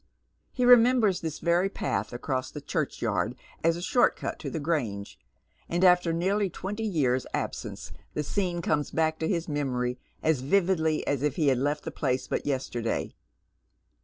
He remembers this very path across the churchyard as a short cut to the Grange ; and after nearly twenty years' absence the scene comes back to his memory as vividly as if he had left the place but yesterday.